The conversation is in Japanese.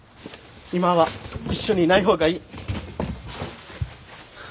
今は一緒にいない方がいい。